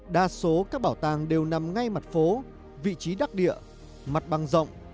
đa số các bảo tàng đều nằm ngay mặt phố vị trí đắc địa mặt bằng rộng